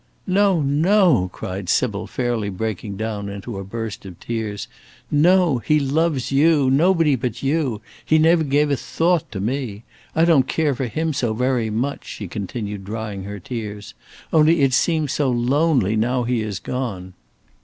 "No! no!" cried Sybil, fairly breaking down into a burst of tears; "no! he loves you! nobody but you! he never gave a thought to me. I don't care for him so very much," she continued, drying her tears; "only it seems so lonely now he is gone."